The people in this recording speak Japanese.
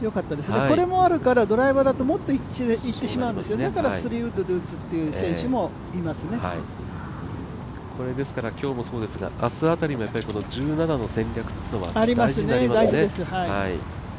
これもあるからドライバーだともっといってしまうんで、だから３ウッドで打つっていうこれ、今日もそうですが明日辺りもやっぱり１７の戦略というのは大事になりますね。